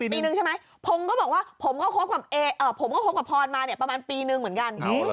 ปีนึงใช่ไหมพงก็บอกว่าผมก็คบกับพรมาเนี่ยประมาณปีนึงเหมือนกัน